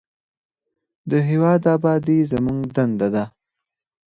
د هیواد ابادي زموږ دنده ده